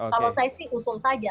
kalau saya sih usul saja